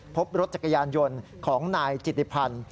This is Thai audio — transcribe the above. พบรถจักรยานยนต์ของนายจิติพันธ์